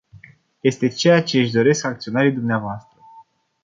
Este ceea ce își doresc acționarii dvs.